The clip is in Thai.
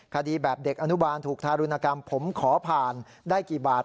คดีแบบเด็กอนุบาลถูกทารุณกรรมผมขอผ่านได้กี่บาท